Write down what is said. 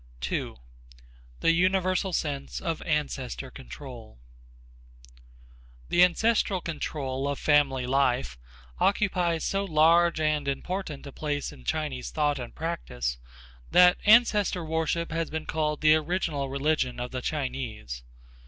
2. The Universal Sense of Ancestor Control The ancestral control of family life occupies so large and important a place in Chinese thought and practice that ancestor worship has been called the original religion of the Chinese.